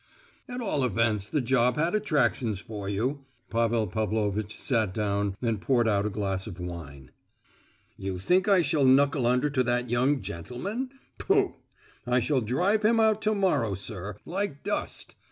"At all events the job had attractions for you." Pavel Pavlovitch sat down and poured out a glass of wine. "You think I shall knuckle under to that young gentleman? Pooh! I shall drive him out to morrow, sir, like dust.